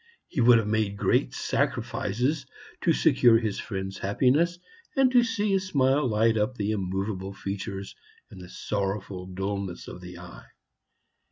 He would have made great sacrifices to secure his friend's happiness, and to see a smile light up the immovable features and the sorrowful dulness of the eye.